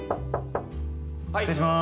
失礼しまーす